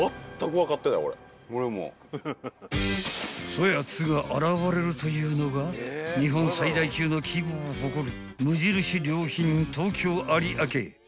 ［そやつが現れるというのが日本最大級の規模を誇る無印良品東京有明］